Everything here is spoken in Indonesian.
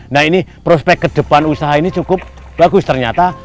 nah ini prospek ke depan usaha ini cukup bagus ternyata